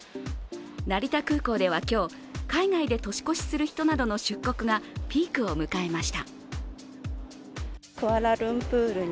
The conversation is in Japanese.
成田空港では今日海外で年越しする人などの出国がピークを迎えました。